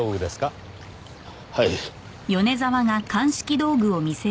はい。